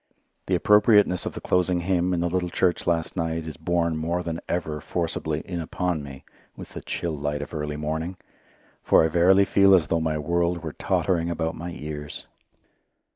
The appropriateness of the closing hymn in the little church last night is borne more than ever forcibly in upon me with the chill light of early morning, for I verily feel as though my world were tottering about my ears.